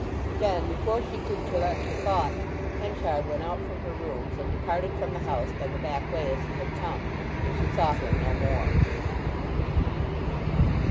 Then, before she could collect her thoughts, Henchard went out from her rooms, and departed from the house by the back way as he had come; and she saw him no more.